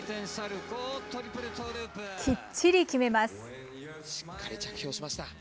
きっちり決めます。